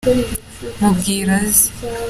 mubwire aze.